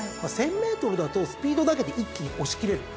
１，０００ｍだとスピードだけで一気に押し切れる。